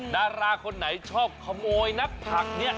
ดาราคนไหนชอบขโมยนักผักเนี่ย